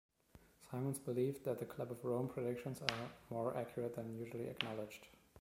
Simmons believed that the Club of Rome predictions are more accurate than usually acknowledged.